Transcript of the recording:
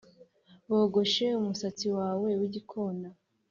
bogoshe umusatsi wawe w'igikona